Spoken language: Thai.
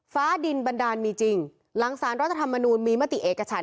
ฟ้าดินบันดาลมีจริงหลังสารรัฐธรรมนูลมีมติเอกฉัน